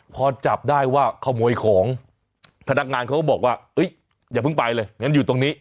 พอจับได้ว่าขโมยของพนักงานเขาก็บอกว่าอย่าเพิ่งไปเลยงั้นอยู่ตรงนี้